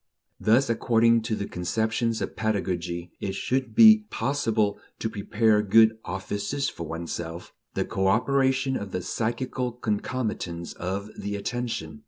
Thus, according to the conceptions of pedagogy, it should be possible to "prepare good offices for oneself," the cooperation of the psychical concomitants of the attention.